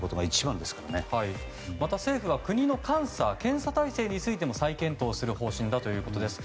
また、政府は国の監査や検査体制についても再検討する見通しだということです。